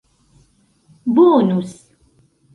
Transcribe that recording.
bonus